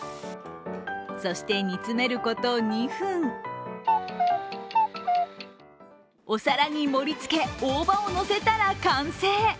そして、煮詰めること２分お皿に盛りつけ、大葉をのせたら完成。